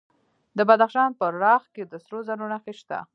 د بدخشان په راغ کې د سرو زرو نښې شته.